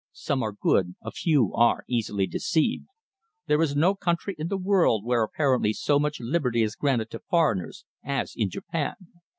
Some are good, a few are easily deceived. There is no country in the world where apparently so much liberty is granted to foreigners as in Japan.